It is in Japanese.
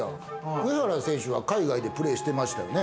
上原選手は海外でプレーしてましたもんね。